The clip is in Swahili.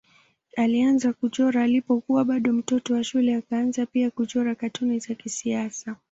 Alianza kuchora alipokuwa bado mtoto wa shule akaanza pia kuchora katuni za kisiasa.